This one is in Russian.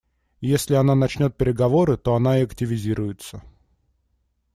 И если она начнет переговоры, то она и активизируется.